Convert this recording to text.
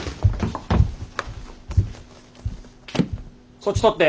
そっち撮って。